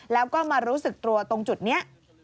แล้วก็มารู้สึกตัวตรงจุดนี้